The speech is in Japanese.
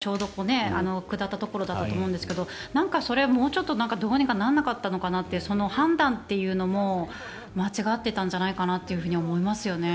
電車が止まっていた位置がちょうど下ったところだと思うんですがなんか、それはもうちょっとどうにかならなかったのかなとその判断というのも間違っていたんじゃないかなと思いますよね。